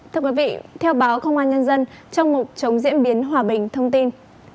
thưa quý vị theo báo công an nhân dân trong mục chống diễn biến hòa bình thông tin